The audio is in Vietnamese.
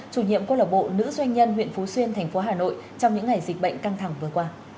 chủ nhiệm cô lạc bộ nữ doanh nhân huyện phú xuyên thành phố hà nội trong những ngày dịch bệnh căng thẳng vừa qua